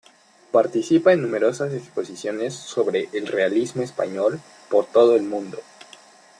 Participa en numerosas exposiciones sobre el realismo español por todo el mundo.